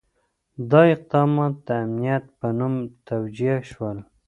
دا اقدامات د امنیت په نوم توجیه شول.